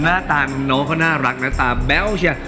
น่าตาน้องน้องก็น่ารักน่าตาแบ๊วเชียว